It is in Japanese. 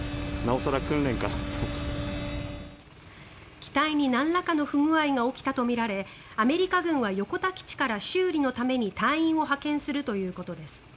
機体になんらかの不具合が起きたとみられアメリカ軍は横田基地から修理のために隊員を派遣するということです。